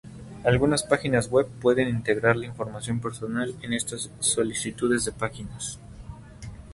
Algunas páginas web puede integrar la información personal en estas solicitudes de páginas.